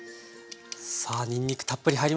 さあにんにくたっぷり入りました。